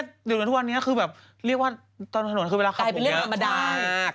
กุ๊บเมฆอยู่ข้างนั้นทุ่วันนี้คือแบบเรียกว่าตอนถนนคือเวลาขับส่วนเยอะมาก